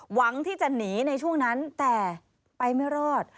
หวังที่จะหนีในช่วงนั้นแต่ไปไม่รอด